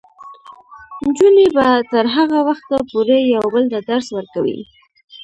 نجونې به تر هغه وخته پورې یو بل ته درس ورکوي.